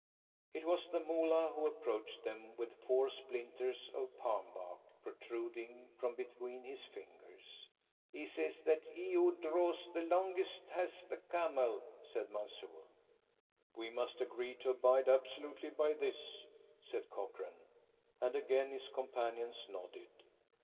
It was the Moolah who approached them with four splinters of palm bark protruding from between his fingers. "He says that he who draws the longest has the camel," said Mansoor. "We must agree to abide absolutely by this," said Cochrane, and again his companions nodded.